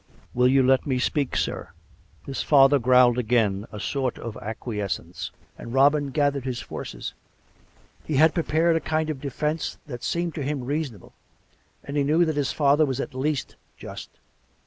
Will you let me speak, sir? " His father growled again a sort of acquiescence, and Robin gathered his forces. He had prepared a kind of defence that seemed to him reasonable, and he knew that his father was at least just.